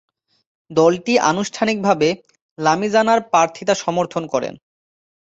দলটি আনুষ্ঠানিকভাবে লামিজানার প্রার্থীতা সমর্থন করে।